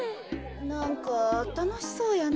なんかたのしそうやな。